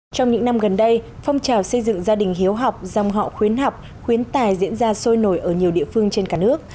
trong những năm gần đây phong trào xây dựng gia đình hiếu học dòng họ khuyến học khuyến tài diễn ra sôi nổi ở nhiều địa phương trên cả nước